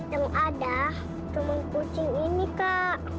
yang ada tulung kucing ini kak